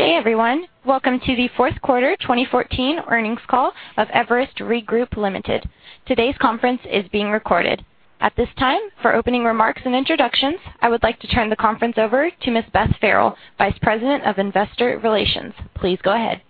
Good day, everyone. Welcome to the fourth quarter 2014 earnings call of Everest Re Group, Ltd. Today's conference is being recorded. At this time, for opening remarks and introductions, I would like to turn the conference over to Ms. Beth Farrell, Vice President of Investor Relations. Please go ahead.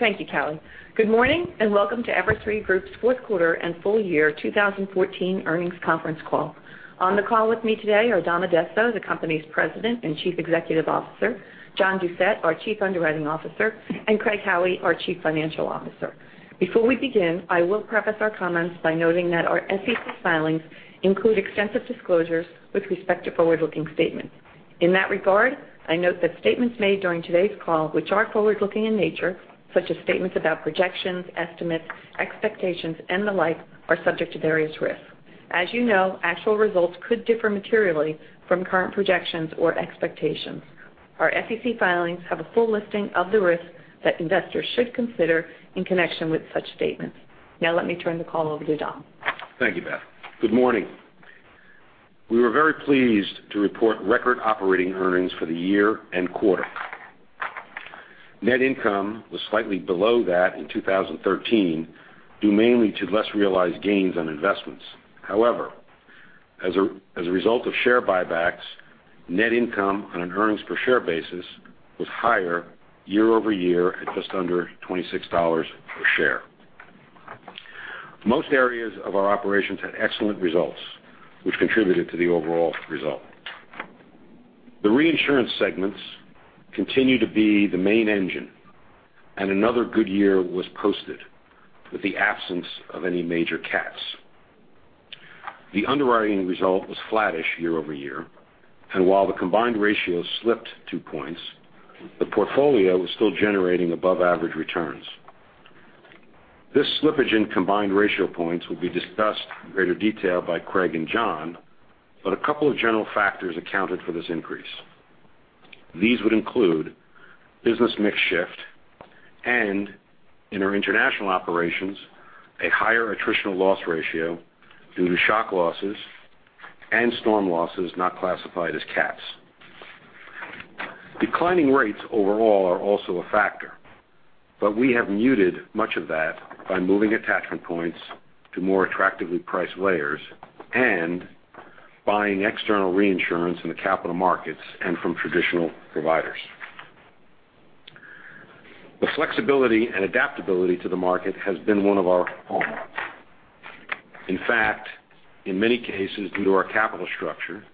Thank you, Callie. Good morning and welcome to Everest Re Group's fourth quarter and full year 2014 earnings conference call. On the call with me today are Dom Addesso, the company's President and Chief Executive Officer, John Doucette, our Chief Underwriting Officer, and Craig Howie, our Chief Financial Officer. Before we begin, I will preface our comments by noting that our SEC filings include extensive disclosures with respect to forward-looking statements. In that regard, I note that statements made during today's call, which are forward-looking in nature, such as statements about projections, estimates, expectations, and the like, are subject to various risks. As you know, actual results could differ materially from current projections or expectations. Our SEC filings have a full listing of the risks that investors should consider in connection with such statements. Let me turn the call over to Dom. Thank you, Beth. Good morning. We were very pleased to report record operating earnings for the year and quarter. Net income was slightly below that in 2013, due mainly to less realized gains on investments. However, as a result of share buybacks, net income on an earnings per share basis was higher year-over-year at just under $26 per share. Most areas of our operations had excellent results, which contributed to the overall result. The reinsurance segments continue to be the main engine, and another good year was posted with the absence of any major cats. The underwriting result was flattish year-over-year, and while the combined ratio slipped two points, the portfolio was still generating above-average returns. This slippage in combined ratio points will be discussed in greater detail by Craig and John, but a couple of general factors accounted for this increase. These would include business mix shift and, in our international operations, a higher attritional loss ratio due to shock losses and storm losses not classified as cats. Declining rates overall are also a factor, but we have muted much of that by moving attachment points to more attractively priced layers and buying external reinsurance in the capital markets and from traditional providers. The flexibility and adaptability to the market has been one of our hallmarks. In fact, in many cases, due to our capital structure,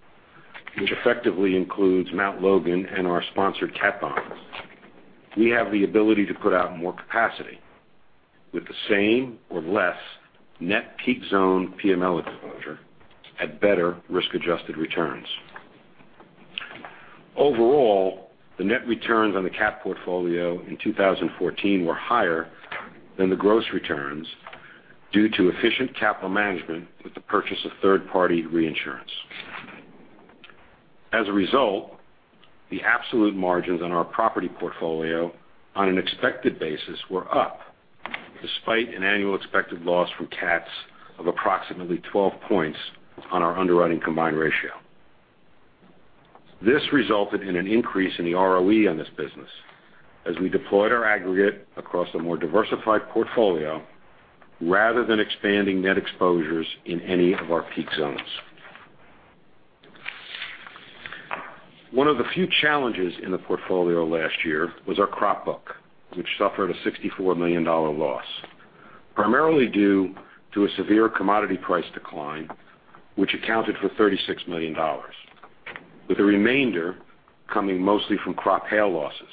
which effectively includes Mount Logan Re and our sponsored cat bonds, we have the ability to put out more capacity with the same or less net peak zone PML exposure at better risk-adjusted returns. Overall, the net returns on the cat portfolio in 2014 were higher than the gross returns due to efficient capital management with the purchase of third-party reinsurance. As a result, the absolute margins on our property portfolio on an expected basis were up, despite an annual expected loss from cats of approximately 12 points on our underwriting combined ratio. This resulted in an increase in the ROE on this business as we deployed our aggregate across a more diversified portfolio rather than expanding net exposures in any of our peak zones. One of the few challenges in the portfolio last year was our crop book, which suffered a $64 million loss, primarily due to a severe commodity price decline, which accounted for $36 million, with the remainder coming mostly from crop hail losses.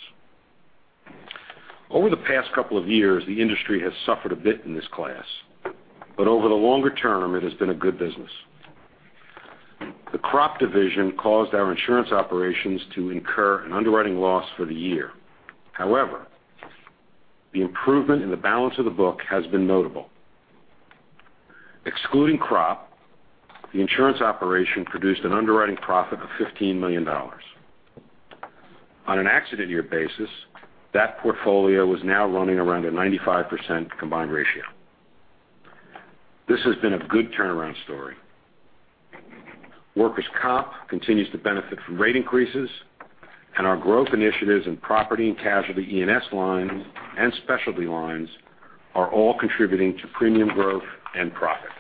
Over the past couple of years, the industry has suffered a bit in this class, but over the longer term, it has been a good business. The crop division caused our insurance operations to incur an underwriting loss for the year. The improvement in the balance of the book has been notable. Excluding crop, the insurance operation produced an underwriting profit of $15 million. On an accident year basis, that portfolio is now running around a 95% combined ratio. This has been a good turnaround story. workers' comp continues to benefit from rate increases, and our growth initiatives in property and casualty E&S lines and specialty lines are all contributing to premium growth and profit.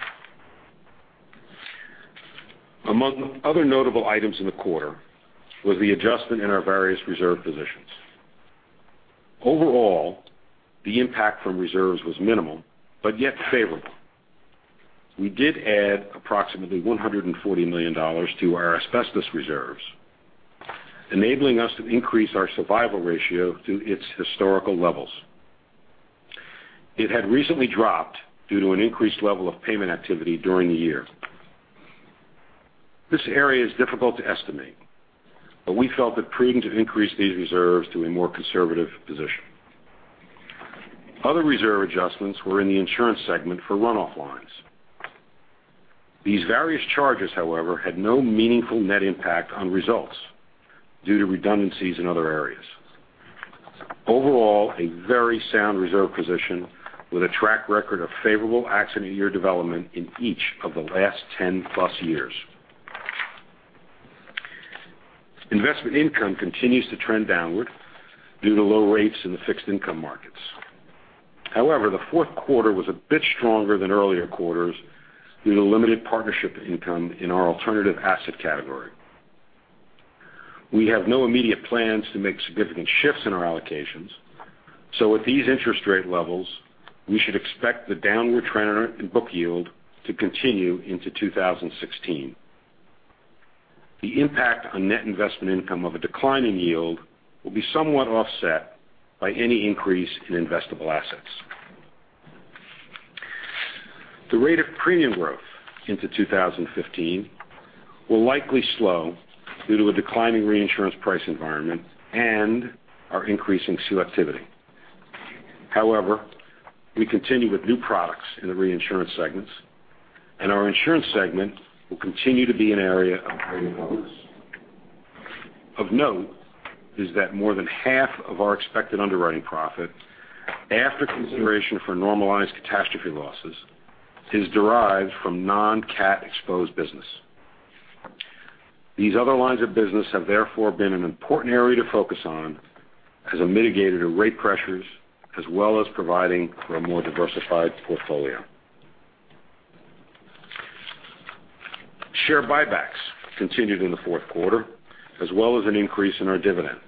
Among other notable items in the quarter was the adjustment in our various reserve positions. Overall, the impact from reserves was minimal, yet favorable. We did add approximately $140 million to our asbestos reserves, enabling us to increase our survival ratio to its historical levels. It had recently dropped due to an increased level of payment activity during the year. This area is difficult to estimate, but we felt it prudent to increase these reserves to a more conservative position. Other reserve adjustments were in the insurance segment for run-off lines. These various charges, however, had no meaningful net impact on results due to redundancies in other areas. Overall, a very sound reserve position with a track record of favorable accident year development in each of the last 10 plus years. Investment income continues to trend downward due to low rates in the fixed income markets. The fourth quarter was a bit stronger than earlier quarters due to limited partnership income in our alternative asset category. We have no immediate plans to make significant shifts in our allocations. With these interest rate levels, we should expect the downward trend in book yield to continue into 2016. The impact on net investment income of a decline in yield will be somewhat offset by any increase in investable assets. The rate of premium growth into 2015 will likely slow due to a decline in reinsurance price environment and our increasing selectivity. We continue with new products in the reinsurance segments, and our insurance segment will continue to be an area of focus. Of note is that more than half of our expected underwriting profit, after consideration for normalized catastrophe losses, is derived from non-cat exposed business. These other lines of business have therefore been an important area to focus on as a mitigator to rate pressures, as well as providing for a more diversified portfolio. Share buybacks continued in the fourth quarter, as well as an increase in our dividend.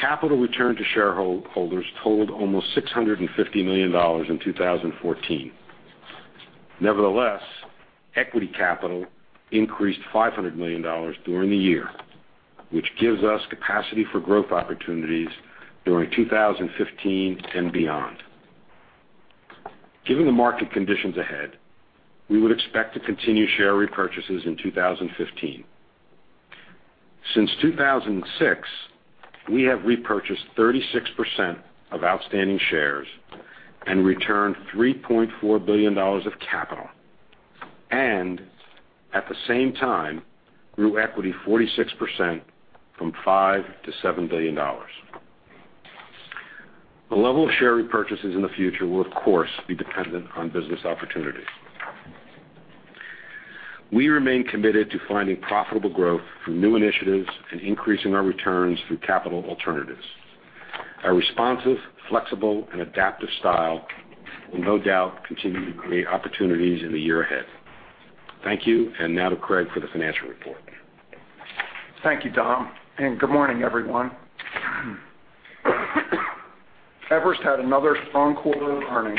Capital return to shareholders totaled almost $650 million in 2014. Nevertheless, equity capital increased $500 million during the year, which gives us capacity for growth opportunities during 2015 and beyond. Given the market conditions ahead, we would expect to continue share repurchases in 2015. Since 2006, we have repurchased 36% of outstanding shares and returned $3.4 billion of capital, and at the same time, grew equity 46% from $5 billion to $7 billion. The level of share repurchases in the future will, of course, be dependent on business opportunities. We remain committed to finding profitable growth through new initiatives and increasing our returns through capital alternatives. Our responsive, flexible, and adaptive style will no doubt continue to create opportunities in the year ahead. Thank you. Now to Craig for the financial report. Thank you, Dom. Good morning, everyone. Everest had another strong quarter of earnings,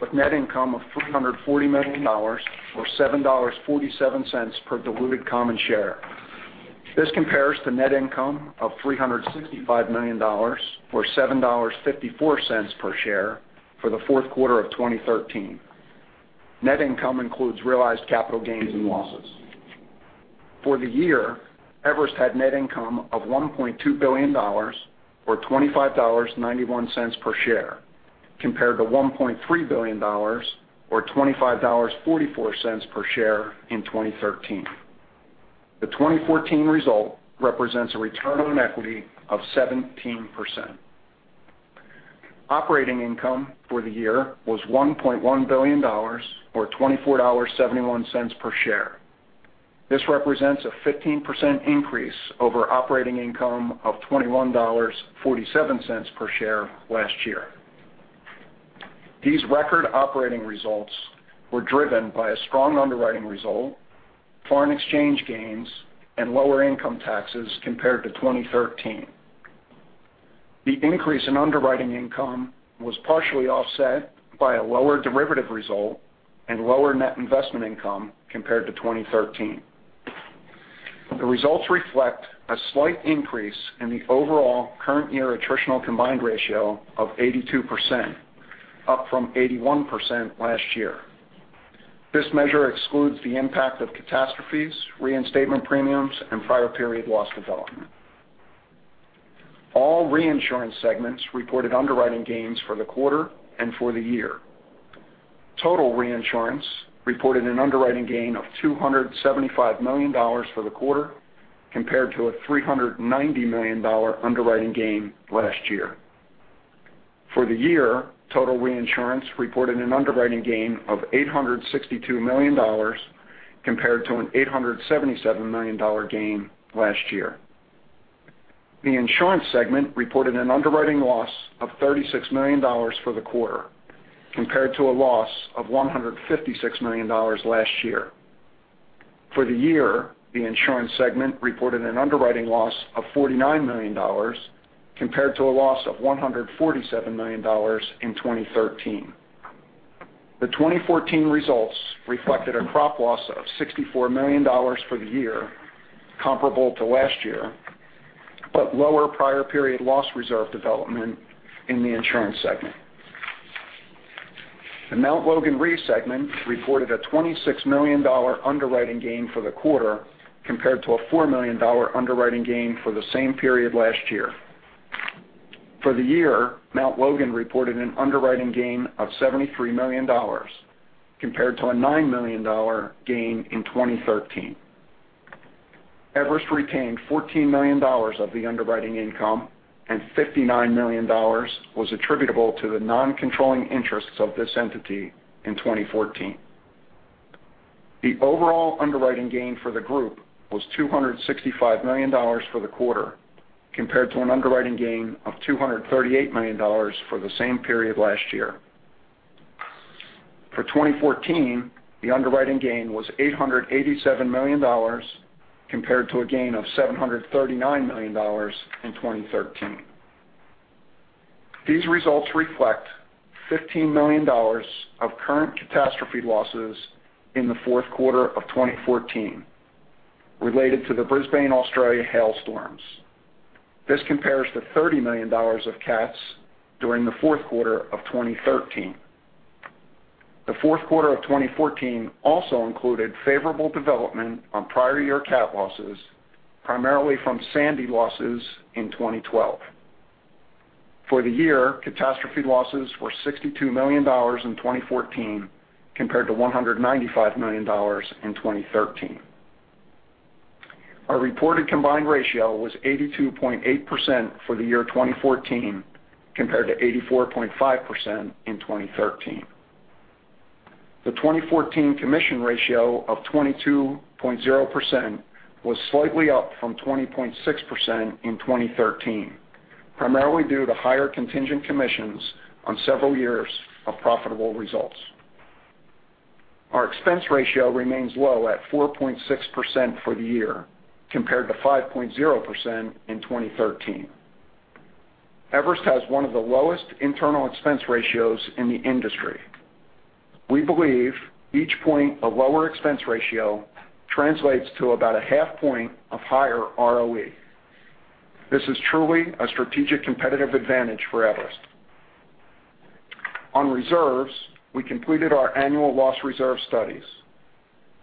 with net income of $340 million, or $7.47 per diluted common share. This compares to net income of $365 million, or $7.54 per share for the fourth quarter of 2013. Net income includes realized capital gains and losses. For the year, Everest had net income of $1.2 billion, or $25.91 per share, compared to $1.3 billion or $25.44 per share in 2013. The 2014 result represents a return on equity of 17%. Operating income for the year was $1.1 billion or $24.71 per share. This represents a 15% increase over operating income of $21.47 per share last year. These record operating results were driven by a strong underwriting result, foreign exchange gains, and lower income taxes compared to 2013. The increase in underwriting income was partially offset by a lower derivative result and lower net investment income compared to 2013. The results reflect a slight increase in the overall current year attritional combined ratio of 82%, up from 81% last year. This measure excludes the impact of catastrophes, reinstatement premiums, and prior period loss development. All reinsurance segments reported underwriting gains for the quarter and for the year. Total reinsurance reported an underwriting gain of $275 million for the quarter, compared to a $390 million underwriting gain last year. For the year, total reinsurance reported an underwriting gain of $862 million, compared to an $877 million gain last year. The insurance segment reported an underwriting loss of $36 million for the quarter, compared to a loss of $156 million last year. For the year, the insurance segment reported an underwriting loss of $49 million, compared to a loss of $147 million in 2013. The 2014 results reflected a crop loss of $64 million for the year, comparable to last year, but lower prior period loss reserve development in the insurance segment. The Mount Logan Re segment reported a $26 million underwriting gain for the quarter, compared to a $4 million underwriting gain for the same period last year. For the year, Mount Logan reported an underwriting gain of $73 million, compared to a $9 million gain in 2013. Everest retained $14 million of the underwriting income, and $59 million was attributable to the non-controlling interests of this entity in 2014. The overall underwriting gain for the group was $265 million for the quarter, compared to an underwriting gain of $238 million for the same period last year. For 2014, the underwriting gain was $887 million compared to a gain of $739 million in 2013. These results reflect $15 million of current catastrophe losses in the fourth quarter of 2014 related to the Brisbane, Australia hail storms. This compares to $30 million of cats during the fourth quarter of 2013. The fourth quarter of 2014 also included favorable development on prior year cat losses, primarily from Sandy losses in 2012. For the year, catastrophe losses were $62 million in 2014 compared to $195 million in 2013. Our reported combined ratio was 82.8% for the year 2014 compared to 84.5% in 2013. The 2014 commission ratio of 22.0% was slightly up from 20.6% in 2013, primarily due to higher contingent commissions on several years of profitable results. Our expense ratio remains low at 4.6% for the year, compared to 5.0% in 2013. Everest has one of the lowest internal expense ratios in the industry. We believe each point of lower expense ratio translates to about a half point of higher ROE. This is truly a strategic competitive advantage for Everest. On reserves, we completed our annual loss reserve studies.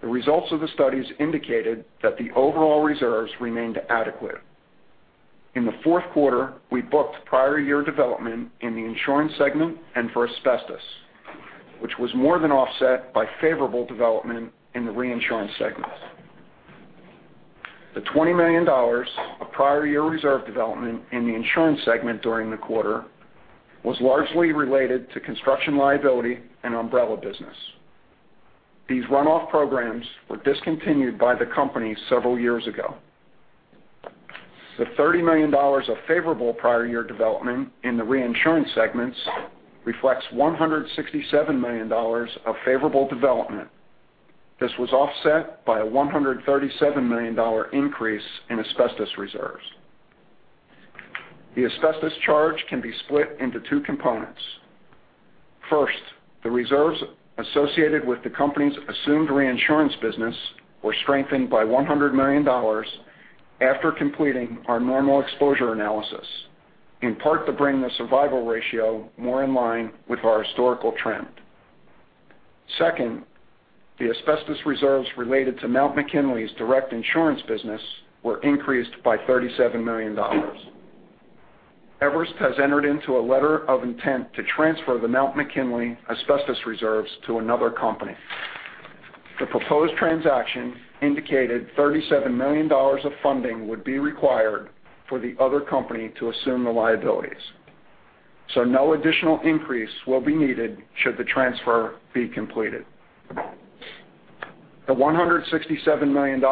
The results of the studies indicated that the overall reserves remained adequate. In the fourth quarter, we booked prior year development in the insurance segment and for asbestos, which was more than offset by favorable development in the reinsurance segments. The $20 million of prior year reserve development in the insurance segment during the quarter was largely related to construction liability and umbrella business. These runoff programs were discontinued by the company several years ago. The $30 million of favorable prior year development in the reinsurance segments reflects $167 million of favorable development. This was offset by a $137 million increase in asbestos reserves. The asbestos charge can be split into two components. First, the reserves associated with the company's assumed reinsurance business were strengthened by $100 million after completing our normal exposure analysis, in part to bring the survival ratio more in line with our historical trend. Second, the asbestos reserves related to Mount McKinley's direct insurance business were increased by $37 million. Everest has entered into a letter of intent to transfer the Mount McKinley asbestos reserves to another company. The proposed transaction indicated $37 million of funding would be required for the other company to assume the liabilities, so no additional increase will be needed should the transfer be completed. The $167 million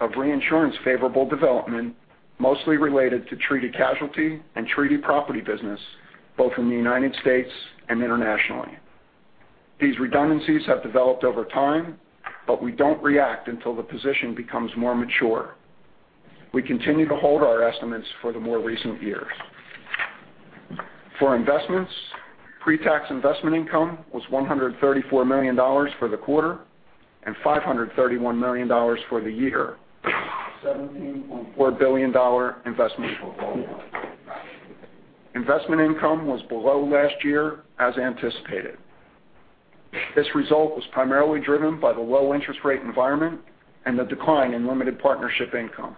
of reinsurance favorable development mostly related to treaty casualty and treaty property business, both in the U.S. and internationally. We don't react until the position becomes more mature. We continue to hold our estimates for the more recent years. For investments, pretax investment income was $134 million for the quarter and $531 million for the year, a $17.4 billion investment portfolio. Investment income was below last year as anticipated. This result was primarily driven by the low interest rate environment and the decline in limited partnership income.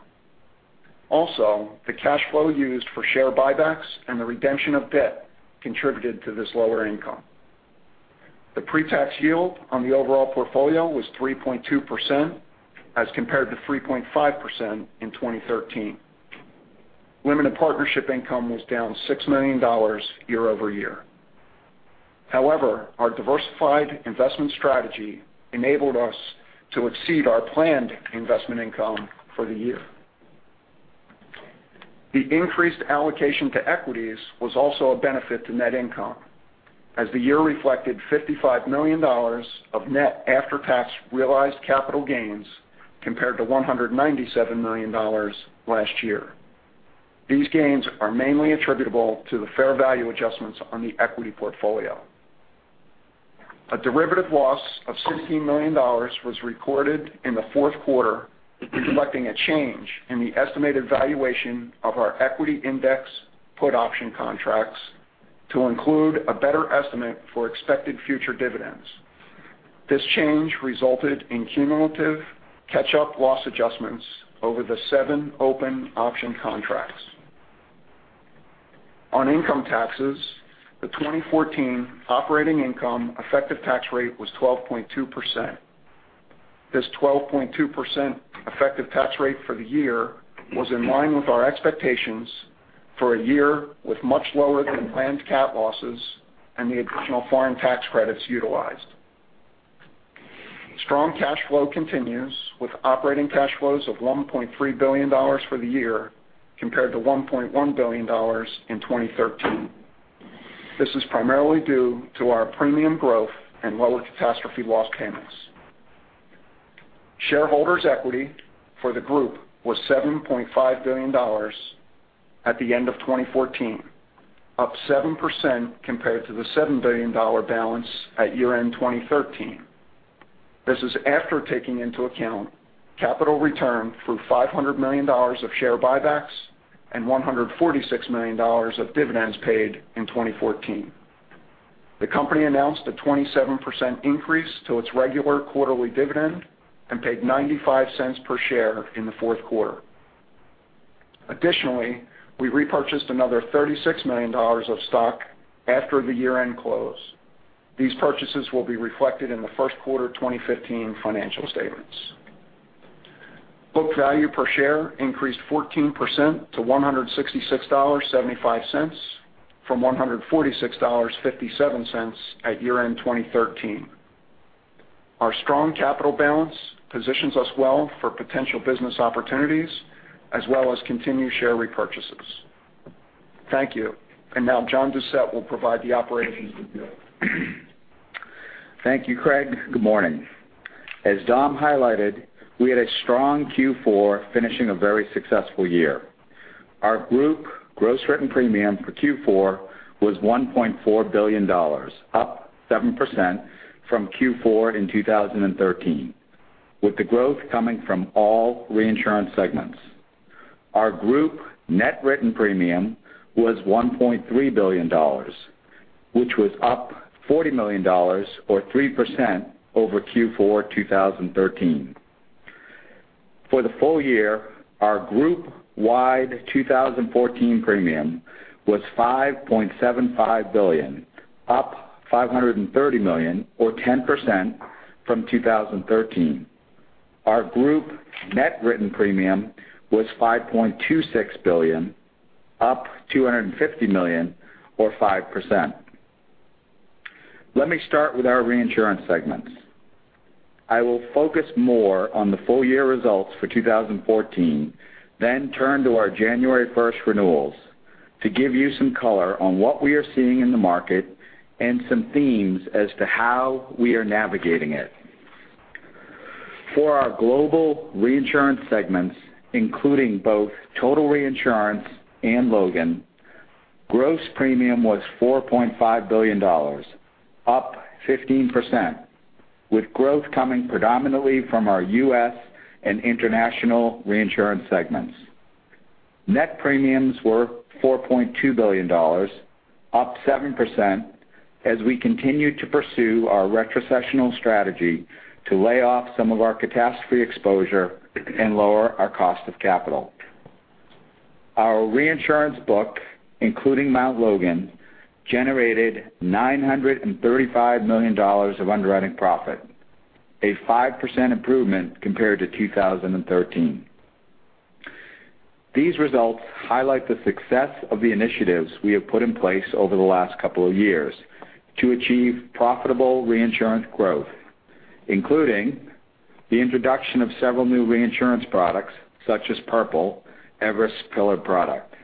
The cash flow used for share buybacks and the redemption of debt contributed to this lower income. The pretax yield on the overall portfolio was 3.2% as compared to 3.5% in 2013. Limited partnership income was down $6 million year-over-year. Our diversified investment strategy enabled us to exceed our planned investment income for the year. The increased allocation to equities was also a benefit to net income, as the year reflected $55 million of net after-tax realized capital gains, compared to $197 million last year. These gains are mainly attributable to the fair value adjustments on the equity portfolio. A derivative loss of $16 million was recorded in the fourth quarter, reflecting a change in the estimated valuation of our equity index put option contracts to include a better estimate for expected future dividends. This change resulted in cumulative catch-up loss adjustments over the seven open option contracts. On income taxes, the 2014 operating income effective tax rate was 12.2%. This 12.2% effective tax rate for the year was in line with our expectations for a year with much lower than planned cat losses and the additional foreign tax credits utilized. Strong cash flow continues with operating cash flows of $1.3 billion for the year, compared to $1.1 billion in 2013. This is primarily due to our premium growth and lower catastrophe loss payments. Shareholders' equity for the group was $7.5 billion at the end of 2014, up 7% compared to the $7 billion balance at year-end 2013. This is after taking into account capital return through $500 million of share buybacks and $146 million of dividends paid in 2014. The company announced a 27% increase to its regular quarterly dividend and paid $0.95 per share in the fourth quarter. Additionally, we repurchased another $36 million of stock after the year-end close. These purchases will be reflected in the first quarter 2015 financial statements. Book value per share increased 14% to $166.75 from $146.57 at year-end 2013. Our strong capital balance positions us well for potential business opportunities as well as continued share repurchases. Thank you. Now John Doucette will provide the operations review. Thank you, Craig. Good morning. As Dom highlighted, we had a strong Q4, finishing a very successful year. Our group gross written premium for Q4 was $1.4 billion, up 7% from Q4 in 2013, with the growth coming from all reinsurance segments. Our group net written premium was $1.3 billion, which was up $40 million or 3% over Q4 2013. For the full year, our group-wide 2014 premium was $5.75 billion, up $530 million or 10% from 2013. Our group net written premium was $5.26 billion, up $250 million or 5%. Let me start with our reinsurance segments. I will focus more on the full year results for 2014, then turn to our January 1st renewals to give you some color on what we are seeing in the market and some themes as to how we are navigating it. For our global reinsurance segments, including both Total Reinsurance and Logan, gross premium was $4.5 billion, up 15%, with growth coming predominantly from our US and international reinsurance segments. Net premiums were $4.2 billion, up 7% as we continued to pursue our retrocessional strategy to lay off some of our catastrophe exposure and lower our cost of capital. Our reinsurance book, including Mount Logan, generated $935 million of underwriting profit, a 5% improvement compared to 2013. These results highlight the success of the initiatives we have put in place over the last couple of years to achieve profitable reinsurance growth, including the introduction of several new reinsurance products such as PURPLE, Everest Pillar product.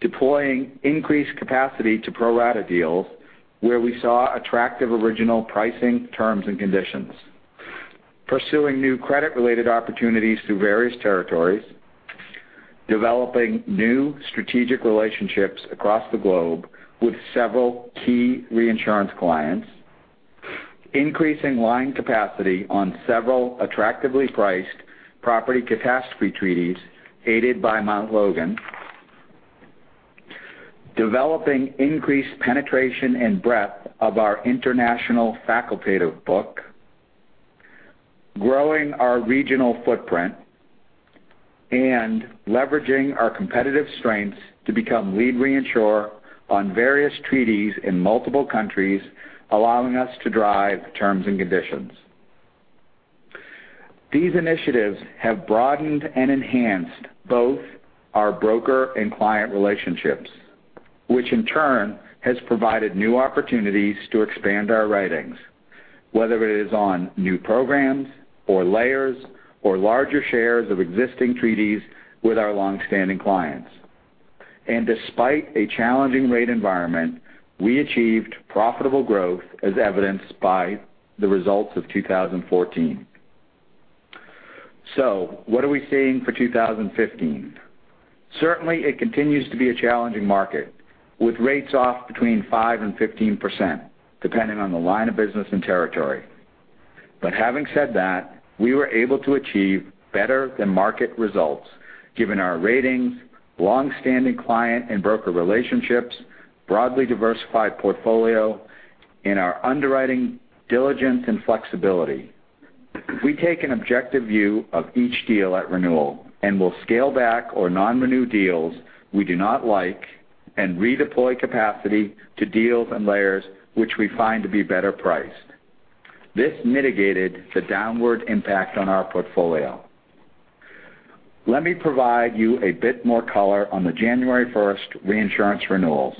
Deploying increased capacity to pro-rata deals where we saw attractive original pricing terms and conditions. Pursuing new credit-related opportunities through various territories. Developing new strategic relationships across the globe with several key reinsurance clients. Increasing line capacity on several attractively priced property catastrophe treaties aided by Mount Logan. Developing increased penetration and breadth of our international facultative book. Growing our regional footprint. Leveraging our competitive strengths to become lead reinsurer on various treaties in multiple countries, allowing us to drive terms and conditions. These initiatives have broadened and enhanced both our broker and client relationships, which in turn has provided new opportunities to expand our writings, whether it is on new programs or layers or larger shares of existing treaties with our long-standing clients. Despite a challenging rate environment, we achieved profitable growth as evidenced by the results of 2014. What are we seeing for 2015? Certainly, it continues to be a challenging market, with rates off between 5%-15%, depending on the line of business and territory. Having said that, we were able to achieve better than market results, given our ratings, long-standing client and broker relationships, broadly diversified portfolio, and our underwriting diligence and flexibility. We take an objective view of each deal at renewal and will scale back or non-renew deals we do not like and redeploy capacity to deals and layers which we find to be better priced. This mitigated the downward impact on our portfolio. Let me provide you a bit more color on the January 1st reinsurance renewals,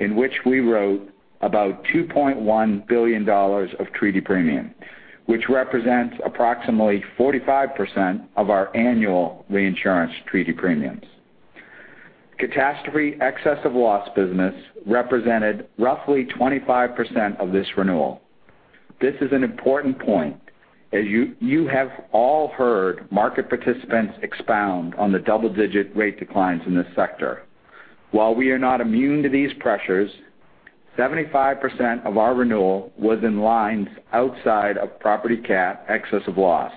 in which we wrote about $2.1 billion of treaty premium, which represents approximately 45% of our annual reinsurance treaty premiums. Catastrophe excess of loss business represented roughly 25% of this renewal. This is an important point as you have all heard market participants expound on the double-digit rate declines in this sector. While we are not immune to these pressures, 75% of our renewal was in lines outside of property cat excess of loss,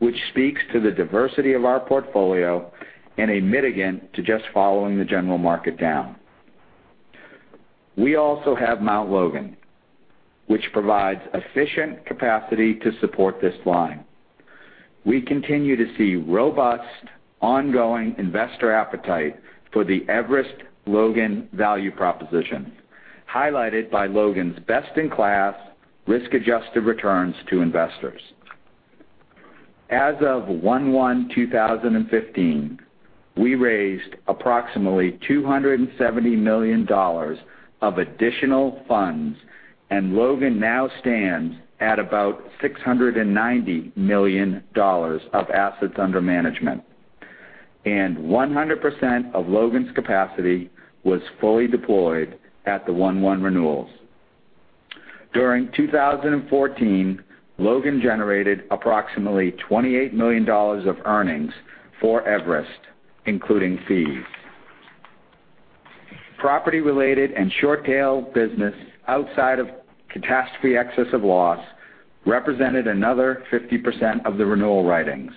which speaks to the diversity of our portfolio and a mitigant to just following the general market down. We also have Mount Logan, which provides efficient capacity to support this line. We continue to see robust, ongoing investor appetite for the Everest Logan value proposition, highlighted by Logan's best-in-class risk-adjusted returns to investors. As of 1/1/2015, we raised approximately $270 million of additional funds, and Logan now stands at about $690 million of assets under management. 100% of Logan's capacity was fully deployed at the 1/1 renewals. During 2014, Logan generated approximately $28 million of earnings for Everest, including fees. Property-related and short-tail business outside of catastrophe excess of loss represented another 50% of the renewal writings.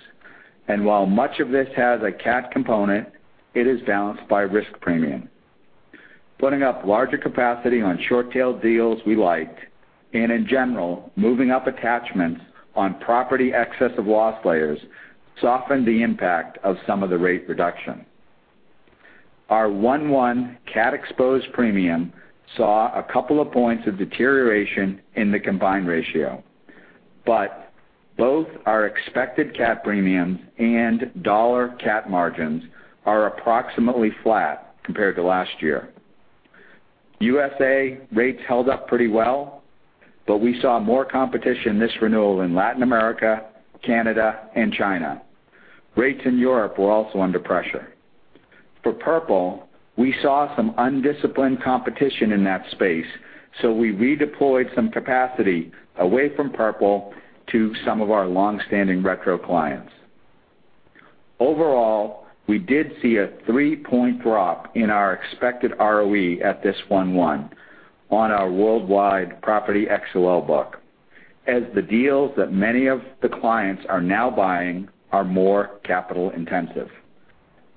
While much of this has a cat component, it is balanced by risk premium. Putting up larger capacity on short-tail deals we liked, and in general, moving up attachments on property excess of loss layers softened the impact of some of the rate reduction. Our 1/1 cat exposed premium saw a couple of points of deterioration in the combined ratio, but both our expected cat premiums and dollar cat margins are approximately flat compared to last year. USA rates held up pretty well, but we saw more competition this renewal in Latin America, Canada, and China. Rates in Europe were also under pressure. For PURPLE, we saw some undisciplined competition in that space, so we redeployed some capacity away from PURPLE to some of our longstanding retro clients. We did see a three-point drop in our expected ROE at this 1/1 on our worldwide property XOL book, as the deals that many of the clients are now buying are more capital intensive.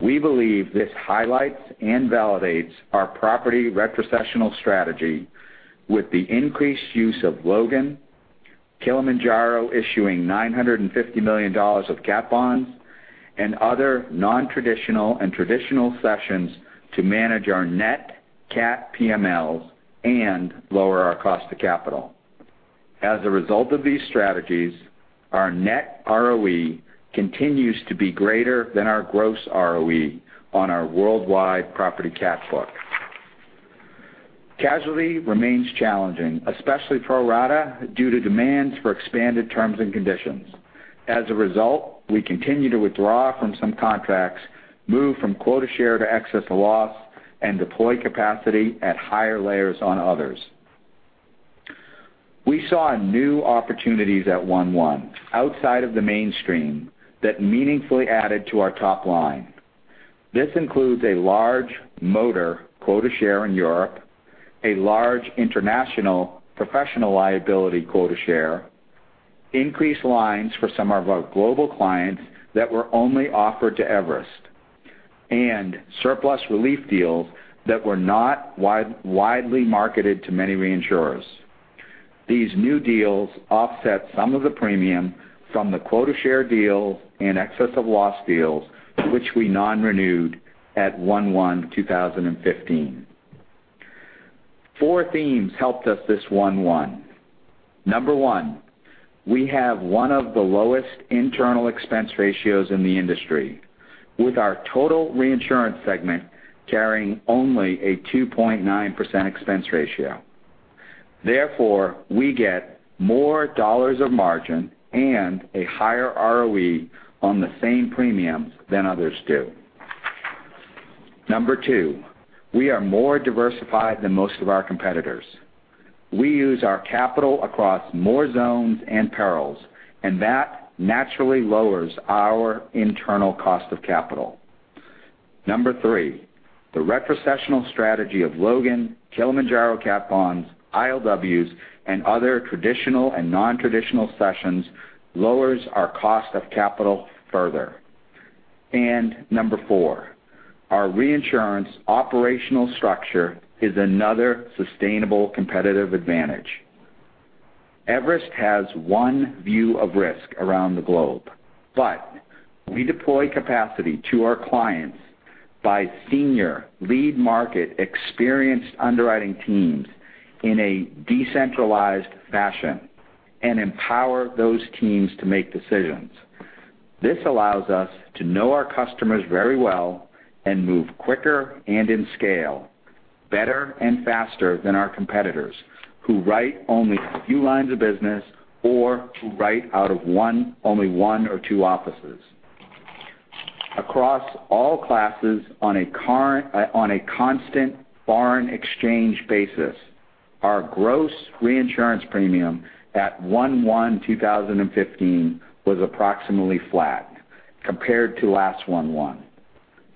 We believe this highlights and validates our property retrocessional strategy with the increased use of Logan, Kilimanjaro issuing $950 million of cat bonds, and other non-traditional and traditional cessions to manage our net cat PMLs and lower our cost of capital. As a result of these strategies, our net ROE continues to be greater than our gross ROE on our worldwide property cat book. Casualty remains challenging, especially pro-rata, due to demands for expanded terms and conditions. As a result, we continue to withdraw from some contracts, move from quota share to excess of loss, and deploy capacity at higher layers on others. We saw new opportunities at 1/1 outside of the mainstream that meaningfully added to our top line. This includes a large motor quota share in Europe, a large international professional liability quota share, increased lines for some of our global clients that were only offered to Everest, and surplus relief deals that were not widely marketed to many reinsurers. These new deals offset some of the premium from the quota share deals and excess of loss deals which we non-renewed at 1/1/2015. Four themes helped us this 1/1. Number one, we have one of the lowest internal expense ratios in the industry, with our total reinsurance segment carrying only a 2.9% expense ratio. Therefore, we get more dollars of margin and a higher ROE on the same premiums than others do. Number two, we are more diversified than most of our competitors. We use our capital across more zones and perils, that naturally lowers our internal cost of capital. Number three, the retrocessional strategy of Logan, Kilimanjaro cat bonds, ILWs, and other traditional and non-traditional cessions lowers our cost of capital further. Number four, our reinsurance operational structure is another sustainable competitive advantage. Everest has one view of risk around the globe, but we deploy capacity to our clients by senior lead market experienced underwriting teams in a decentralized fashion and empower those teams to make decisions. This allows us to know our customers very well and move quicker and in scale, better and faster than our competitors, who write only a few lines of business or who write out of only one or two offices. Across all classes on a constant foreign exchange basis, our gross reinsurance premium at 1/1/2015 was approximately flat compared to last 1/1.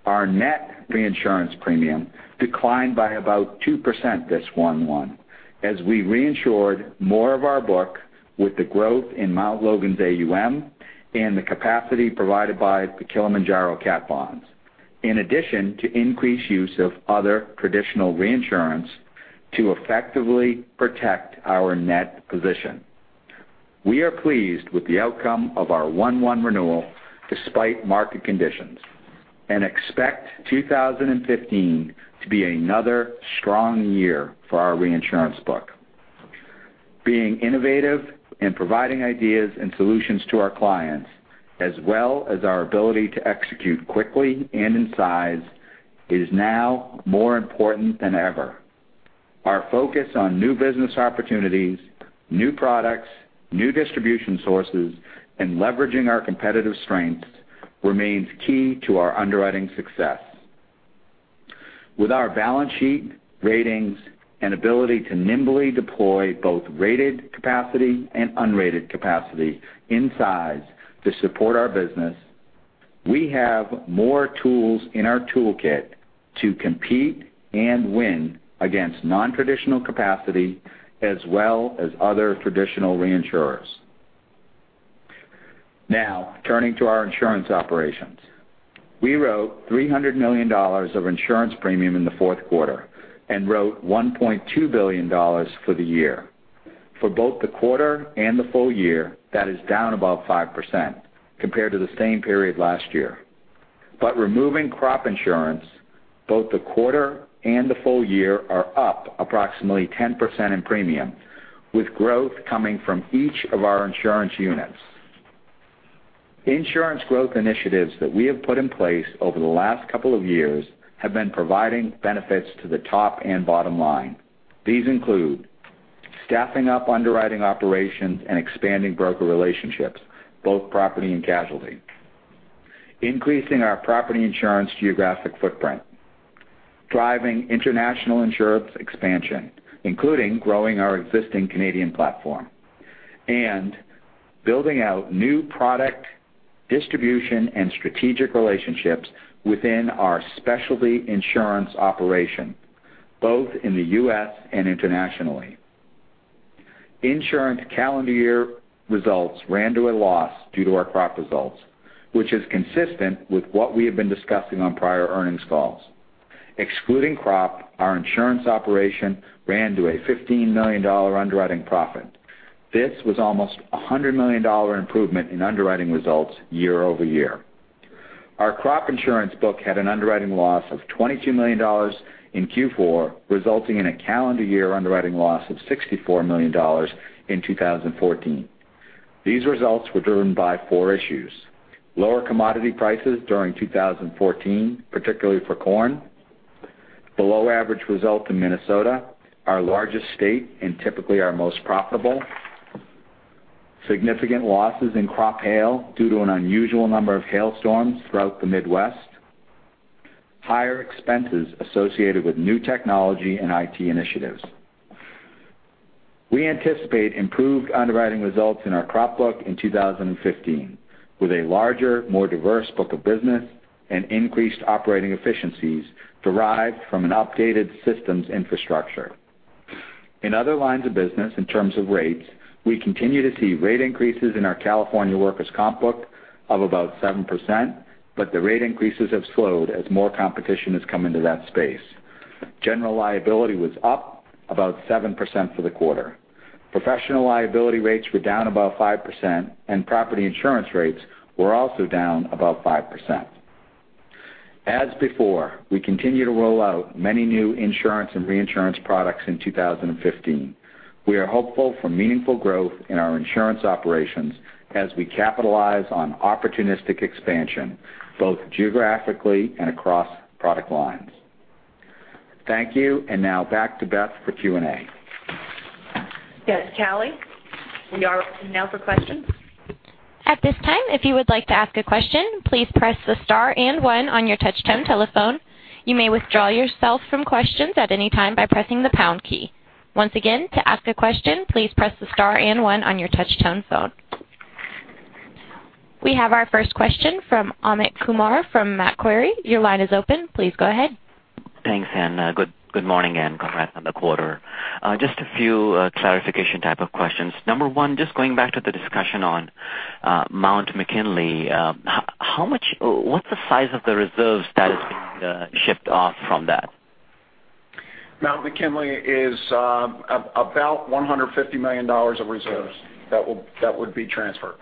Our net reinsurance premium declined by about 2% this 1/1 as we reinsured more of our book with the growth in Mount Logan's AUM and the capacity provided by the Kilimanjaro cat bonds, in addition to increased use of other traditional reinsurance to effectively protect our net position. We are pleased with the outcome of our 1/1 renewal despite market conditions and expect 2015 to be another strong year for our reinsurance book. Being innovative and providing ideas and solutions to our clients, as well as our ability to execute quickly and in size, is now more important than ever. Our focus on new business opportunities, new products, new distribution sources, and leveraging our competitive strengths remains key to our underwriting success. With our balance sheet, ratings, and ability to nimbly deploy both rated capacity and unrated capacity in size to support our business, we have more tools in our toolkit to compete and win against non-traditional capacity as well as other traditional reinsurers. Turning to our insurance operations. We wrote $300 million of insurance premium in the fourth quarter, and wrote $1.2 billion for the year. For both the quarter and the full year, that is down about 5% compared to the same period last year. Removing crop insurance, both the quarter and the full year are up approximately 10% in premium, with growth coming from each of our insurance units. Insurance growth initiatives that we have put in place over the last couple of years have been providing benefits to the top and bottom line. These include staffing up underwriting operations and expanding broker relationships, both property and casualty. Increasing our property insurance geographic footprint. Driving international insurance expansion, including growing our existing Canadian platform. Building out new product distribution and strategic relationships within our specialty insurance operation, both in the U.S. and internationally. Insurance calendar year results ran to a loss due to our crop results, which is consistent with what we have been discussing on prior earnings calls. Excluding crop, our insurance operation ran to a $15 million underwriting profit. This was almost a $100 million improvement in underwriting results year-over-year. Our crop insurance book had an underwriting loss of $22 million in Q4, resulting in a calendar year underwriting loss of $64 million in 2014. These results were driven by four issues. Lower commodity prices during 2014, particularly for corn. Below average result in Minnesota, our largest state and typically our most profitable. Significant losses in crop hail due to an unusual number of hailstorms throughout the Midwest. Higher expenses associated with new technology and IT initiatives. We anticipate improved underwriting results in our crop book in 2015 with a larger, more diverse book of business and increased operating efficiencies derived from an updated systems infrastructure. In other lines of business, in terms of rates, we continue to see rate increases in our California workers' comp book of about 7%, the rate increases have slowed as more competition has come into that space. General liability was up about 7% for the quarter. Professional liability rates were down about 5%, and property insurance rates were also down about 5%. As before, we continue to roll out many new insurance and reinsurance products in 2015. We are hopeful for meaningful growth in our insurance operations as we capitalize on opportunistic expansion, both geographically and across product lines. Thank you. Now back to Beth for Q&A. Yes, Callie, we are now for questions. At this time, if you would like to ask a question, please press the star and one on your touch tone telephone. You may withdraw yourself from questions at any time by pressing the pound key. Once again, to ask a question, please press the star and one on your touch tone phone. We have our first question from Amit Kumar from Macquarie. Your line is open. Please go ahead. Thanks, and good morning, and congrats on the quarter. Just a few clarification type of questions. Number one, just going back to the discussion on Mount McKinley, what's the size of the reserves that is being shipped off from that? Mount McKinley is about $150 million of reserves that would be transferred.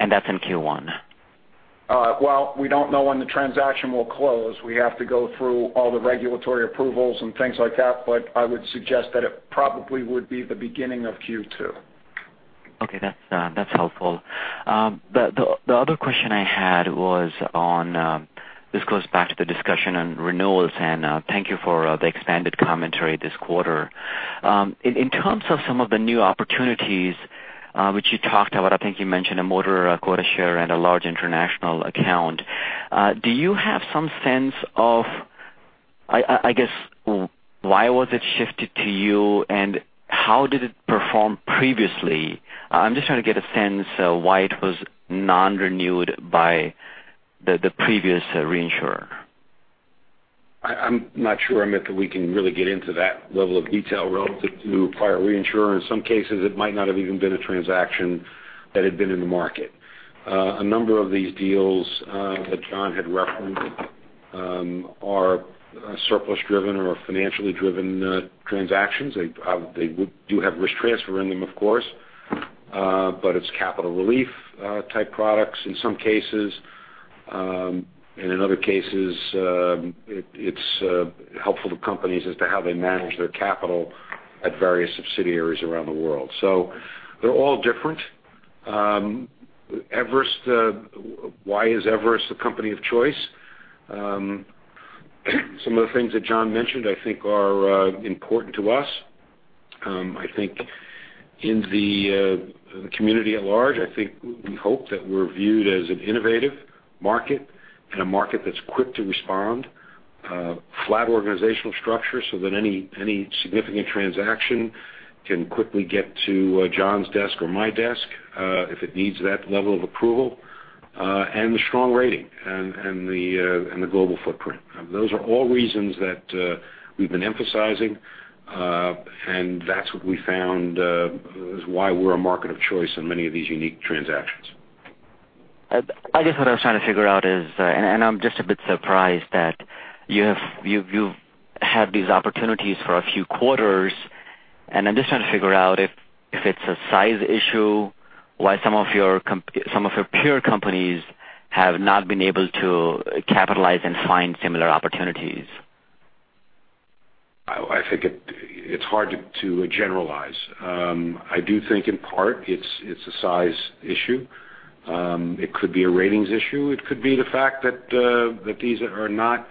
That's in Q1? Well, we don't know when the transaction will close. We have to go through all the regulatory approvals and things like that, I would suggest that it probably would be the beginning of Q2. Okay, that's helpful. The other question I had was on, this goes back to the discussion on renewals, thank you for the expanded commentary this quarter. In terms of some of the new opportunities which you talked about, I think you mentioned a motor quota share and a large international account. Do you have some sense of, I guess, why was it shifted to you, and how did it perform previously? I'm just trying to get a sense why it was non-renewed by the previous reinsurer. I'm not sure, Amit, that we can really get into that level of detail relative to a prior reinsurer. In some cases, it might not have even been a transaction that had been in the market. A number of these deals that John had referenced are surplus-driven or financially driven transactions. They do have risk transfer in them, of course, but it's capital relief type products in some cases. In other cases, it's helpful to companies as to how they manage their capital at various subsidiaries around the world. They're all different. Why is Everest the company of choice? Some of the things that John mentioned I think are important to us. I think in the community at large, I think we hope that we're viewed as an innovative market and a market that's quick to respond. Flat organizational structure so that any significant transaction can quickly get to John's desk or my desk, if it needs that level of approval. The strong rating and the global footprint. Those are all reasons that we've been emphasizing, and that's what we found is why we're a market of choice in many of these unique transactions. I guess what I was trying to figure out is, I'm just a bit surprised that you've had these opportunities for a few quarters, I'm just trying to figure out if it's a size issue, why some of your peer companies have not been able to capitalize and find similar opportunities. I think it's hard to generalize. I do think in part it's a size issue. It could be a ratings issue. It could be the fact that these are not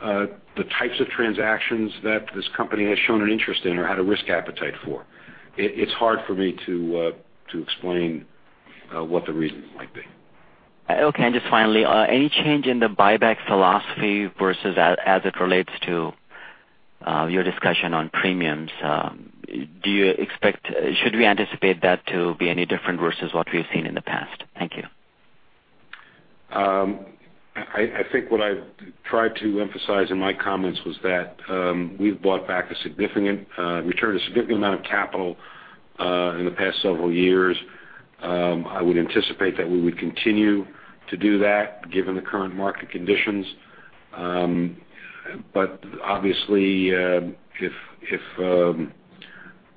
the types of transactions that this company has shown an interest in or had a risk appetite for. It's hard for me to explain what the reason might be. Okay. Just finally, any change in the buyback philosophy versus as it relates to your discussion on premiums? Should we anticipate that to be any different versus what we've seen in the past? Thank you. I think what I tried to emphasize in my comments was that we've returned a significant amount of capital in the past several years. I would anticipate that we would continue to do that given the current market conditions. Obviously,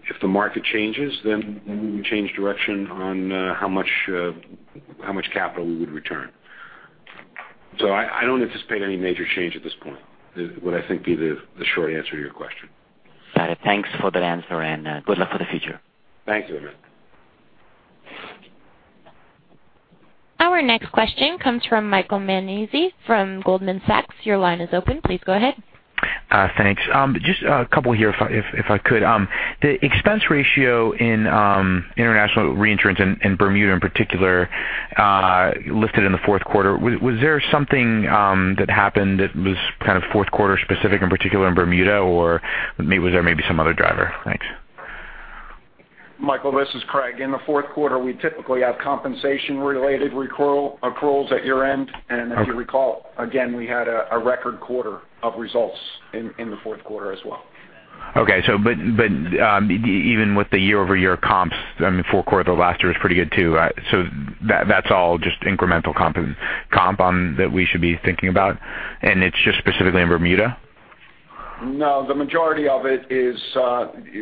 if the market changes, then we would change direction on how much capital we would return. I don't anticipate any major change at this point, would, I think, be the short answer to your question. Got it. Thanks for that answer. Good luck for the future. Thanks, Amit. Our next question comes from Michael Nannizzi from Goldman Sachs. Your line is open. Please go ahead. Thanks. Just a couple here, if I could. The expense ratio in international reinsurance and Bermuda in particular, listed in the fourth quarter, was there something that happened that was kind of fourth quarter specific, in particular in Bermuda, or was there maybe some other driver? Thanks. Michael, this is Craig. In the fourth quarter, we typically have compensation related accruals at year-end. As you recall, again, we had a record quarter of results in the fourth quarter as well. Okay. Even with the year-over-year comps, I mean, the fourth quarter last year was pretty good too. That's all just incremental comp that we should be thinking about, and it's just specifically in Bermuda? No, the majority of it is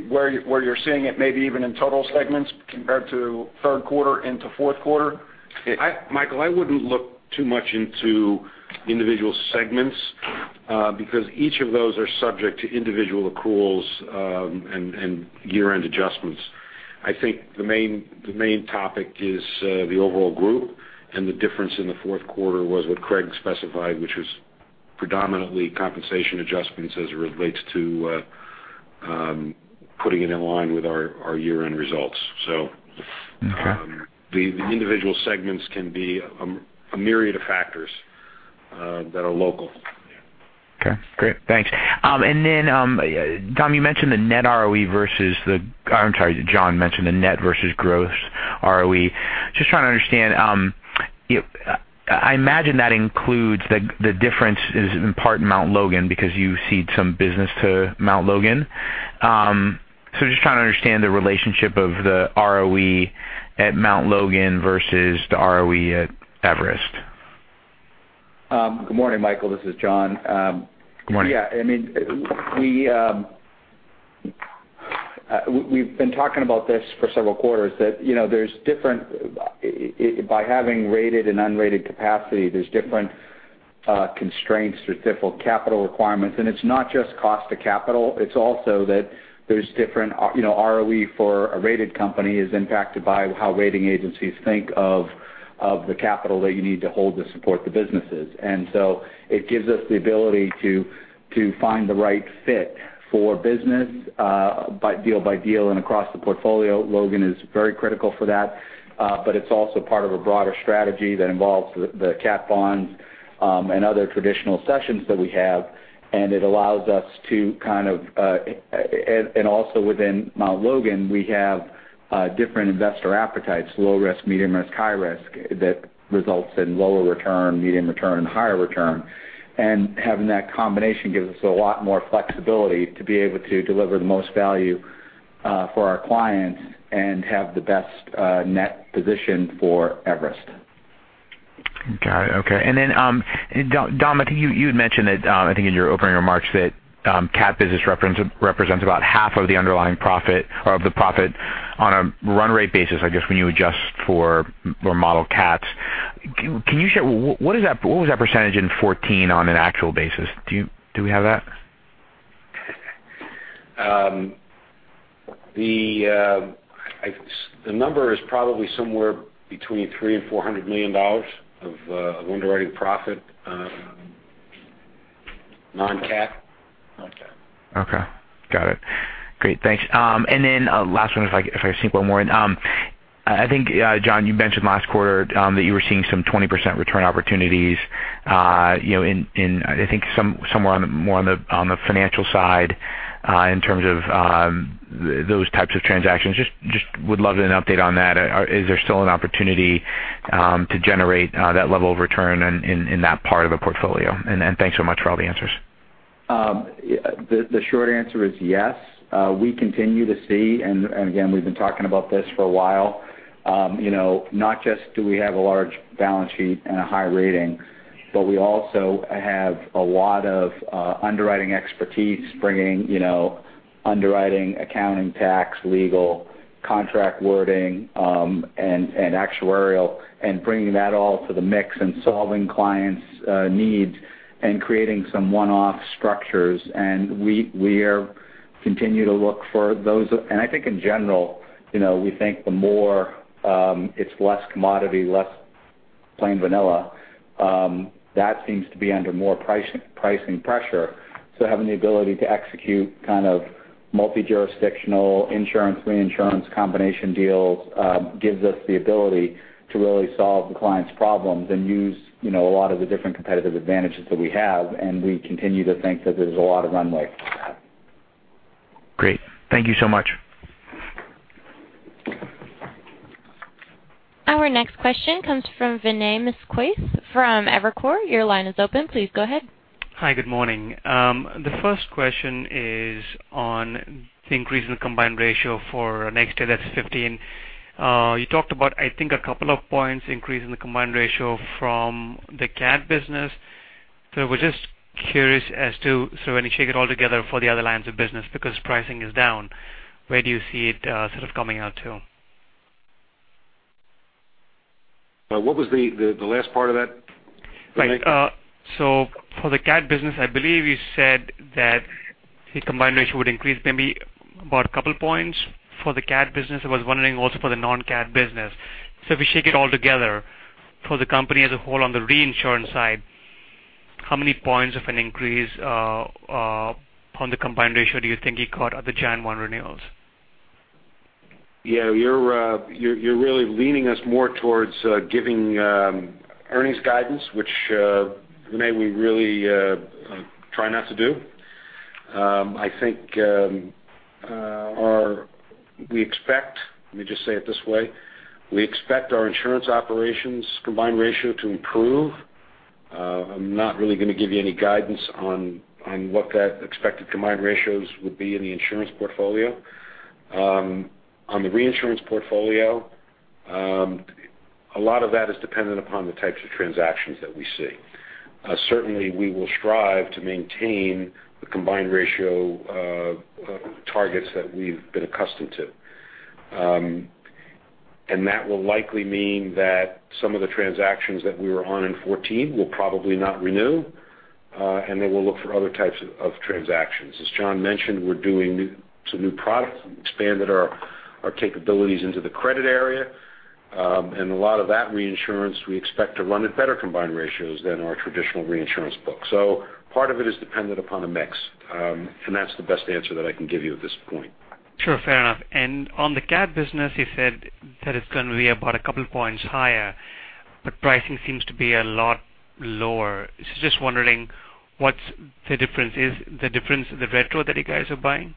where you're seeing it, maybe even in total segments compared to third quarter into fourth quarter. Michael, I wouldn't look too much into individual segments because each of those are subject to individual accruals and year-end adjustments. I think the main topic is the overall group and the difference in the fourth quarter was what Craig specified, which was predominantly compensation adjustments as it relates to putting it in line with our year-end results. Okay. The individual segments can be a myriad of factors that are local. Okay, great. Thanks. John, you mentioned the net versus gross ROE. Just trying to understand I imagine that includes the difference is in part in Mount Logan, because you cede some business to Mount Logan. Just trying to understand the relationship of the ROE at Mount Logan versus the ROE at Everest. Good morning, Michael, this is John. Good morning. We've been talking about this for several quarters, that by having rated and unrated capacity, there's different constraints. There's different capital requirements, and it's not just cost of capital, it's also that there's different ROE for a rated company is impacted by how rating agencies think of the capital that you need to hold to support the businesses. It gives us the ability to find the right fit for business deal by deal and across the portfolio. Logan is very critical for that. It's also part of a broader strategy that involves the cat bonds, and other traditional cessions that we have, and also within Mount Logan, we have different investor appetites, low risk, medium risk, high risk, that results in lower return, medium return, higher return. Having that combination gives us a lot more flexibility to be able to deliver the most value for our clients and have the best net position for Everest. Got it. Okay. Dom, I think you had mentioned that, I think in your opening remarks that cat business represents about half of the underlying profit or of the profit on a run rate basis, I guess when you adjust for model cats. What was that percentage in 2014 on an actual basis? Do we have that? The number is probably somewhere between three and $400 million of underwriting profit, non-cat. Okay. Got it. Great. Thanks. Last one, if I can sneak one more in. I think, John, you mentioned last quarter that you were seeing some 20% return opportunities, I think more on the financial side in terms of those types of transactions. Just would love an update on that. Is there still an opportunity to generate that level of return in that part of the portfolio? Thanks so much for all the answers. The short answer is yes. We continue to see, again, we've been talking about this for a while. Not just do we have a large balance sheet and a high rating, we also have a lot of underwriting expertise bringing underwriting, accounting, tax, legal, contract wording, and actuarial, bringing that all to the mix and solving clients' needs and creating some one-off structures. We continue to look for those. I think in general, we think the more it's less commodity, less plain vanilla, that seems to be under more pricing pressure. Having the ability to execute kind of multi-jurisdictional insurance reinsurance combination deals gives us the ability to really solve the client's problems and use a lot of the different competitive advantages that we have. We continue to think that there's a lot of runway for that. Great. Thank you so much. Our next question comes from Vinay Misquith from Evercore. Your line is open. Please go ahead. Hi. Good morning. The first question is on the increase in combined ratio for next year, that's 2015. You talked about, I think a couple of points increase in the combined ratio from the cat business. I was just curious as to, so when you shake it all together for the other lines of business, because pricing is down, where do you see it sort of coming out to? What was the last part of that, Vinay? For the cat business, I believe you said that the combined ratio would increase maybe about a couple points for the cat business. I was wondering also for the non-cat business. If you shake it all together for the company as a whole on the reinsurance side, how many points of an increase on the combined ratio do you think you got at the January 1 renewals? You're really leaning us more towards giving earnings guidance, which Vinay, we really try not to do. Let me just say it this way. We expect our insurance operations combined ratio to improve. I'm not really going to give you any guidance on what that expected combined ratios would be in the insurance portfolio. On the reinsurance portfolio, a lot of that is dependent upon the types of transactions that we see. Certainly, we will strive to maintain the combined ratio of targets that we've been accustomed to. That will likely mean that some of the transactions that we were on in 2014 will probably not renew. We'll look for other types of transactions. As John mentioned, we're doing some new products. We expanded our capabilities into the credit area. A lot of that reinsurance, we expect to run at better combined ratios than our traditional reinsurance book. Part of it is dependent upon the mix. That's the best answer that I can give you at this point. Sure. Fair enough. On the cat business, you said that it's going to be about a couple points higher, pricing seems to be a lot lower. Just wondering what the difference is. The difference is the retro that you guys are buying?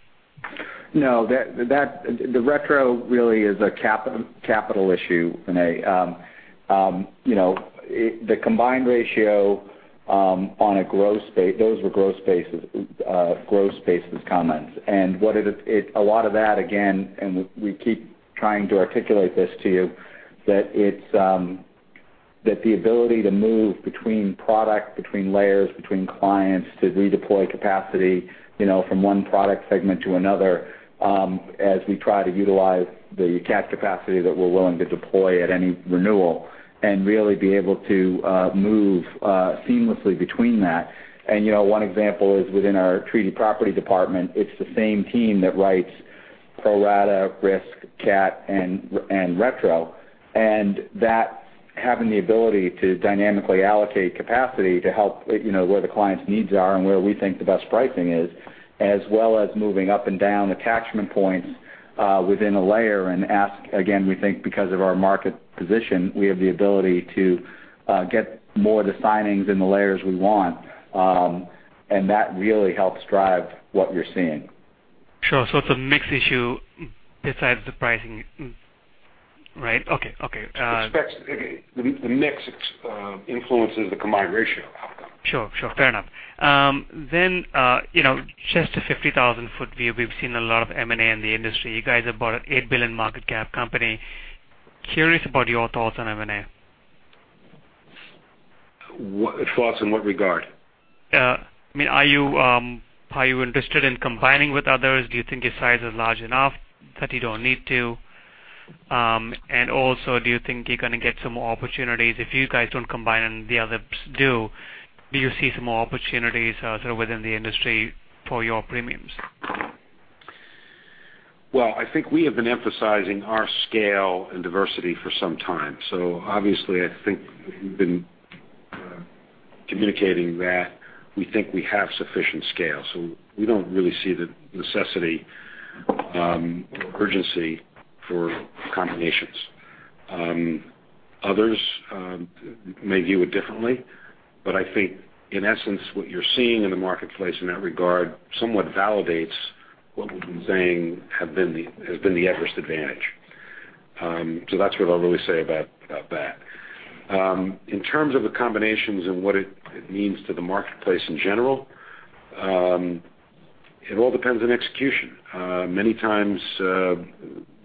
No, the retro really is a capital issue, Vinay. The combined ratio on a gross basis, those were gross basis comments. A lot of that, again, and we keep trying to articulate this to you, that the ability to move between product, between layers, between clients, to redeploy capacity, from one product segment to another as we try to utilize the cat capacity that we're willing to deploy at any renewal and really be able to move seamlessly between that. One example is within our treaty property department, it's the same team that writes pro-rata risk cat and retro. That having the ability to dynamically allocate capacity to help where the client's needs are and where we think the best pricing is, as well as moving up and down attachment points within a layer and ask, again, we think because of our market position, we have the ability to get more of the signings in the layers we want. That really helps drive what you're seeing. Sure. It's a mix issue besides the pricing, right? Okay. The mix influences the combined ratio outcome. Sure. Fair enough. Just a 50,000-foot view, we've seen a lot of M&A in the industry. You guys have bought an $8 billion market cap company. Curious about your thoughts on M&A. Thoughts in what regard? Are you interested in combining with others? Do you think your size is large enough that you don't need to? Also, do you think you're going to get some more opportunities if you guys don't combine and the others do? Do you see some more opportunities sort of within the industry for your premiums? Well, I think we have been emphasizing our scale and diversity for some time. Obviously, I think we've been communicating that we think we have sufficient scale, so we don't really see the necessity or urgency for combinations. Others may view it differently, but I think in essence, what you're seeing in the marketplace in that regard somewhat validates what we've been saying has been the Everest advantage. That's what I'll really say about that. In terms of the combinations and what it means to the marketplace in general, it all depends on execution. Many times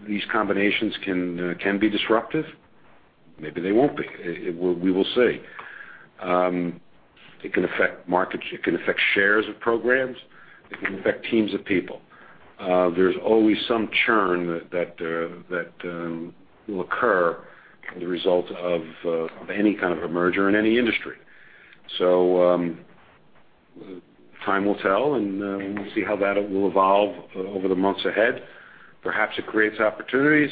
these combinations can be disruptive. Maybe they won't be. We will see. It can affect markets, it can affect shares of programs. It can affect teams of people. There's always some churn that will occur as a result of any kind of a merger in any industry. Time will tell, and we'll see how that will evolve over the months ahead. Perhaps it creates opportunities,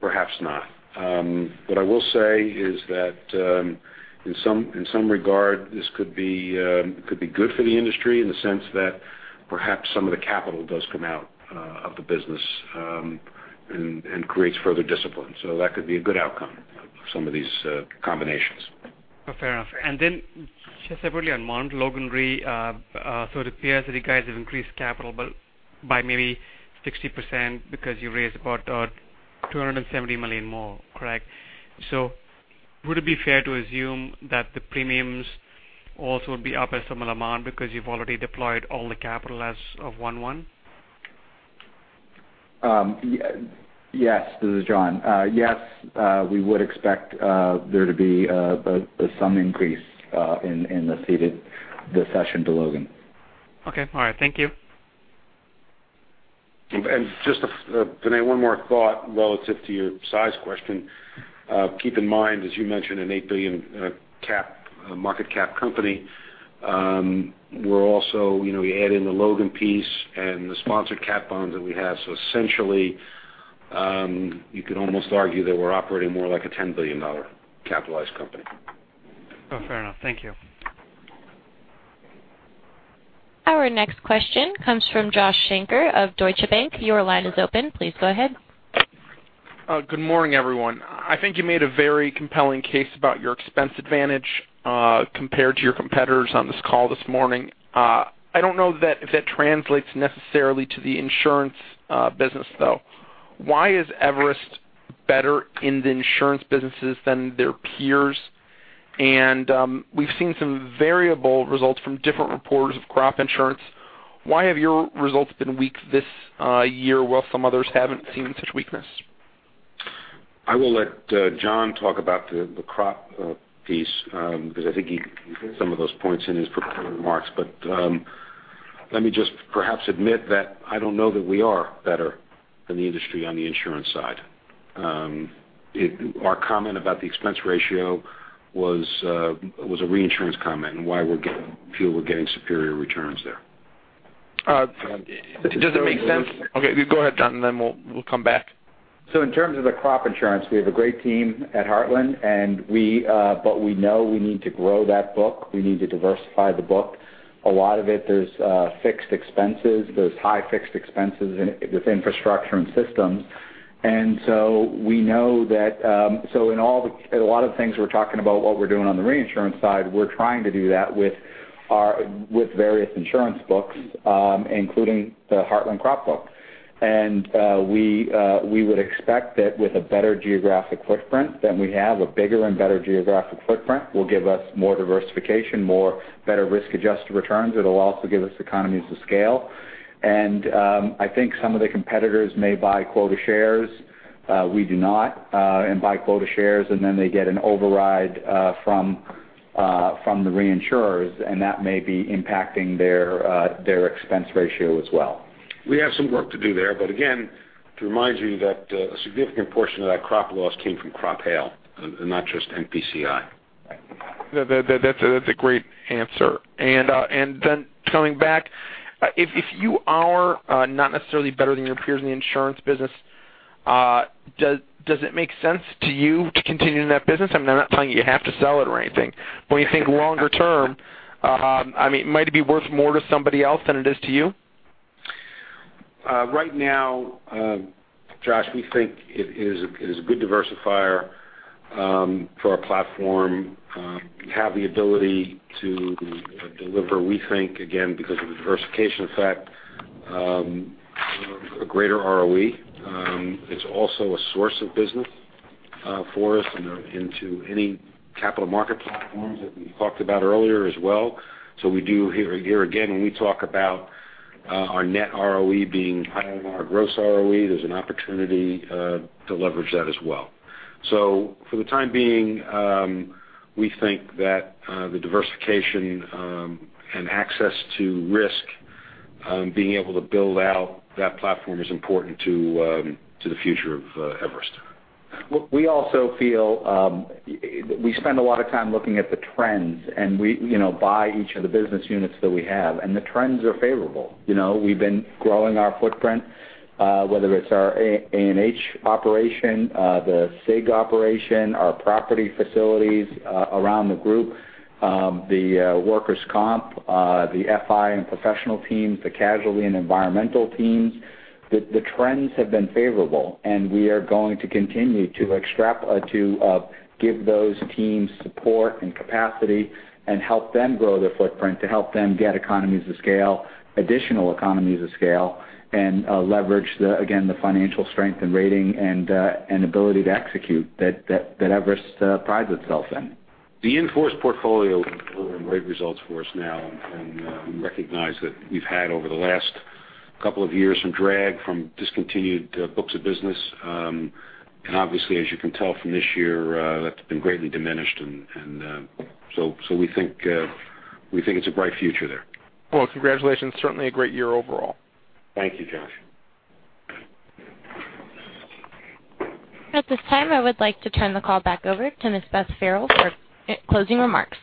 perhaps not. What I will say is that in some regard, this could be good for the industry in the sense that perhaps some of the capital does come out of the business and creates further discipline. That could be a good outcome of some of these combinations. Fair enough. Just separately on Logan Re, it appears that you guys have increased capital by maybe 60% because you raised about $270 million more, correct? Would it be fair to assume that the premiums also would be up a similar amount because you've already deployed all the capital as of 1/1? Yes. This is John. Yes. We would expect there to be some increase in the ceded this session to Logan. Okay. All right. Thank you. Just, Vinay, one more thought relative to your size question. Keep in mind, as you mentioned, an 8 billion market cap company. We add in the Logan piece and the sponsored cat bonds that we have. Essentially, you could almost argue that we're operating more like a $10 billion capitalized company. Fair enough. Thank you. Our next question comes from Josh Shanker of Deutsche Bank. Your line is open. Please go ahead. Good morning, everyone. I think you made a very compelling case about your expense advantage compared to your competitors on this call this morning. I don't know if that translates necessarily to the insurance business, though. Why is Everest better in the insurance businesses than their peers? We've seen some variable results from different reporters of crop insurance. Why have your results been weak this year while some others haven't seen such weakness? I will let John talk about the crop piece because I think he hit some of those points in his prepared remarks. Let me just perhaps admit that I don't know that we are better than the industry on the insurance side. Our comment about the expense ratio was a reinsurance comment and why we feel we're getting superior returns there. Does it make sense? Go ahead, John, and then we'll come back. In terms of the crop insurance, we have a great team at Heartland. We know we need to grow that book. We need to diversify the book. A lot of it, there's fixed expenses. There's high fixed expenses with infrastructure and systems We know that in a lot of things we're talking about what we're doing on the reinsurance side, we're trying to do that with various insurance books, including the Heartland Crop book. We would expect that with a better geographic footprint than we have, a bigger and better geographic footprint will give us more diversification, better risk-adjusted returns. It'll also give us economies of scale. I think some of the competitors may buy quota shares. We do not. Buy quota shares, and then they get an override from the reinsurers, and that may be impacting their expense ratio as well. We have some work to do there. Again, to remind you that a significant portion of that crop loss came from crop hail and not just MPCI. Right. That's a great answer. Coming back, if you are not necessarily better than your peers in the insurance business, does it make sense to you to continue in that business? I'm not telling you have to sell it or anything. When you think longer term, might it be worth more to somebody else than it is to you? Right now, Josh, we think it is a good diversifier for our platform. We have the ability to deliver, we think, again, because of the diversification effect, a greater ROE. It's also a source of business for us into any capital market platforms that we talked about earlier as well. We do, here again, when we talk about our net ROE being higher than our gross ROE, there's an opportunity to leverage that as well. For the time being, we think that the diversification and access to risk, being able to build out that platform is important to the future of Everest. We spend a lot of time looking at the trends and we buy each of the business units that we have. The trends are favorable. We've been growing our footprint, whether it's our A&H operation, the SIG operation, our property facilities around the group, the workers' comp, the FI and professional teams, the casualty and environmental teams. The trends have been favorable, we are going to continue to give those teams support and capacity and help them grow their footprint to help them get additional economies of scale and leverage, again, the financial strength and rating and ability to execute that Everest prides itself in. The in-force portfolio is delivering great results for us now, and we recognize that we've had, over the last couple of years, some drag from discontinued books of business. Obviously, as you can tell from this year, that's been greatly diminished. We think it's a bright future there. Well, congratulations. Certainly a great year overall. Thank you, Josh. At this time, I would like to turn the call back over to Miss Beth Farrell for closing remarks.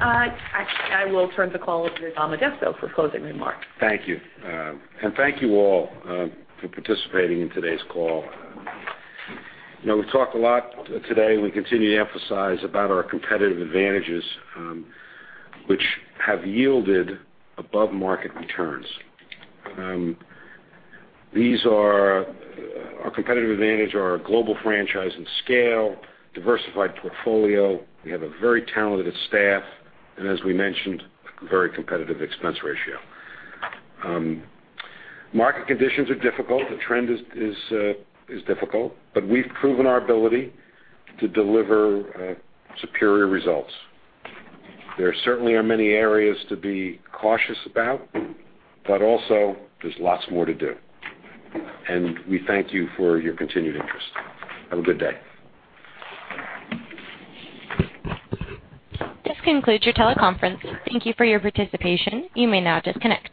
I will turn the call over to Dom Addesso for closing remarks. Thank you. Thank you all for participating in today's call. We've talked a lot today, we continue to emphasize about our competitive advantages, which have yielded above-market returns. Our competitive advantage are our global franchise and scale, diversified portfolio. We have a very talented staff and, as we mentioned, a very competitive expense ratio. Market conditions are difficult. The trend is difficult. We've proven our ability to deliver superior results. There certainly are many areas to be cautious about, but also there's lots more to do. We thank you for your continued interest. Have a good day. This concludes your teleconference. Thank you for your participation. You may now disconnect.